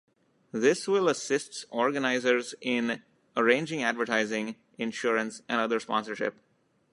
This will assists organisers in arranging advertising, insurance and other sponsorship.